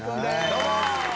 どうも！